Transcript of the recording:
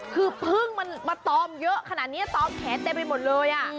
คือพึ่งมันมาตอมเยอะขนาดนี้ตอมแขนเต็มไปหมดเลย